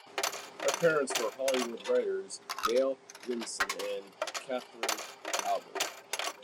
Her parents were Hollywood writers Dale Eunson and Katherine Albert.